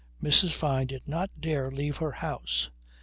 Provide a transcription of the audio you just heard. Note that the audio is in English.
Mrs. Fyne did not dare leave her house.